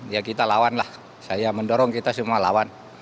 ya kita lawan lah saya mendorong kita semua lawan